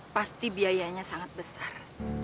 pasti biayanya sangat besar